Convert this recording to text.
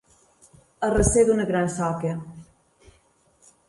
A recer d'una gran soca.